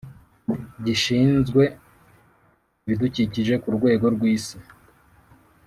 Gishinzwe Ibidukikije ku rwego rw’isi.